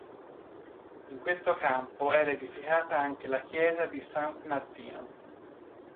In questo campo era edificata anche la chiesa di San Martino.